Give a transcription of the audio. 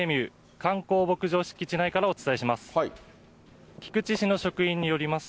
観光牧場敷地内からお伝えします。